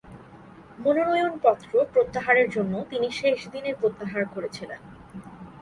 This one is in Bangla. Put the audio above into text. মনোনয়ন পত্র প্রত্যাহারের জন্য তিনি শেষ দিনে প্রত্যাহার করেছিলেন।